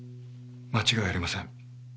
間違いありません。